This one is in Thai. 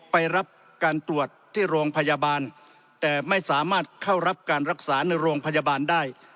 ไปรับการตรวจที่โรงพยาบาลแต่ไม่สามารถเข้ารับการรักษาในโรงพยาบาลได้